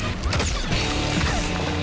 あっ！